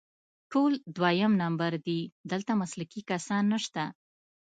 ټول دویم نمبر دي، دلته مسلکي کسان نشته